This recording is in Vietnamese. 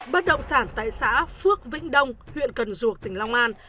bất động sản tại xã phước vĩnh đông huyện cần duộc tỉnh long an